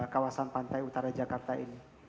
kawasan pantai utara jakarta ini